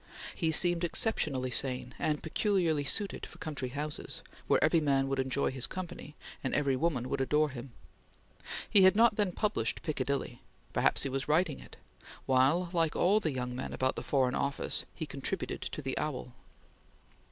He seemed exceptionally sane and peculiarly suited for country houses, where every man would enjoy his company, and every woman would adore him. He had not then published "Piccadilly"; perhaps he was writing it; while, like all the young men about the Foreign Office, he contributed to The Owl.